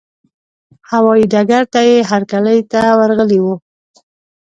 هوايي ډګر ته یې هرکلي ته ورغلي وو.